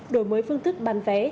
đổi mới phương thức bán vé